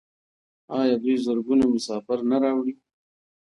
آیا دوی زرګونه مسافر نه راوړي؟